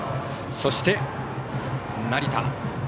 そして、成田。